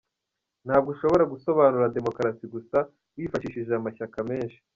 Ntabwo ushobora gusobanura Demokarasi gusa wifashishije amashyaka menshi.